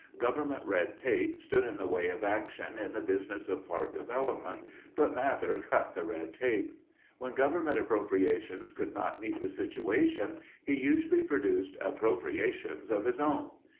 Government red tape stood in the way of action in the business of park development, but Mather cut the red tape. When government appropriations could not meet the situation, he usually produced "appropriations of his own."